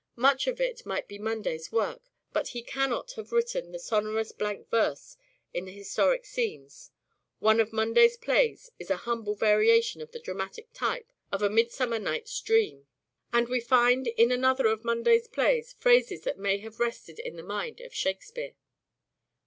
(Much of it) might be Munday's work (but) he cannot have written the sonorous blank verse of the historic scenes ... (One of) Munday's plays is a humble variation of the Munday and dramatic type of ' A Midsummer Night's Dream '" shakf, J r ° speare. ... And we find in (another of Munday's plays) phrases that may have rested in the mind of Shakespeare."